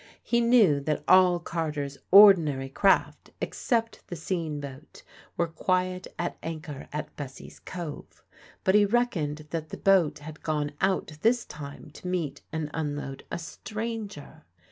He knew that all Carter's ordinary craft, except the sean boat, were quiet at anchor at Bessie's Cove; but he reckoned that the boat had gone out this time to meet and unload a stranger.